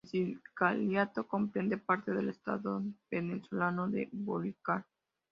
El vicariato comprende parte del estado venezolano de Bolívar.